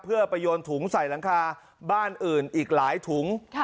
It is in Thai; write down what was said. เพื่อไปโยนถุงใส่หลังคาบ้านอื่นอีกหลายถุง